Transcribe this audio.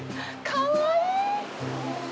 かわいい。